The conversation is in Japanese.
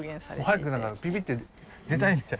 早くピピッて出たいみたい。